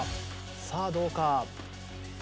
さあどうか！？